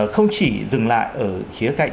không chỉ dừng lại ở khía cạnh